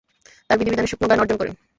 তার বিধি বিধানের সূক্ষ্ণজ্ঞান অর্জন করেন।